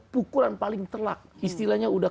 pukulan paling telak istilahnya udah